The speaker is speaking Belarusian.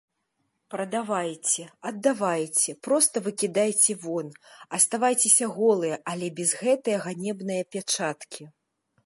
Прадавайце, аддавайце, проста выкідайце вон, аставайцеся голыя, але без гэтае ганебнае пячаткі.